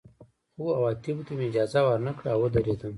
خو عواطفو ته مې اجازه ور نه کړه او ودېردم